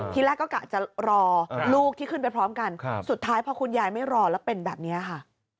ทีแรกก็กะจะรอลูกที่ขึ้นไปพร้อมกันสุดท้ายพอคุณยายไม่รอแล้วเป็นแบบนี้ค่ะ